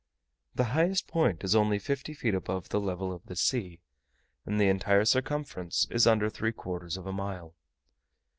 The highest point is only fifty feet above the level of the sea, and the entire circumference is under three quarters of a mile.